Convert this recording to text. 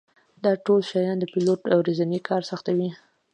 دا ټول شیان د پیلوټ ورځنی کار سختوي